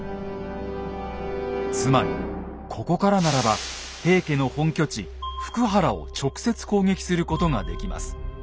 つまりここからならば平家の本拠地・福原を直接攻撃することができます。